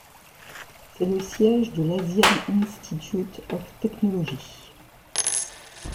C'est le siège de l'Asian Institute of Technology.